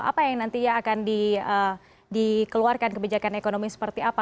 apa yang nantinya akan dikeluarkan kebijakan ekonomi seperti apa